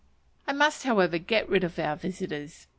I must, however, get rid of our visitors.